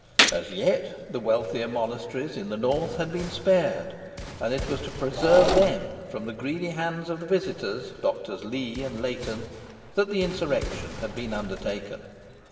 As yet the wealthier monasteries in the north had been spared, and it was to preserve them from the greedy hands of the visiters, Doctors Lee and Layton, that the insurrection had been undertaken.